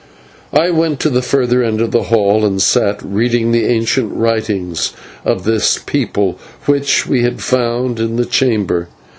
Then I went to the further end of the hall and sat there reading the ancient writings of this people, which we had found in the chamber.